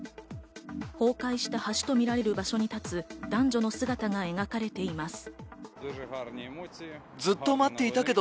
崩壊した橋と見られる場所に立つ男女の姿が描かれています。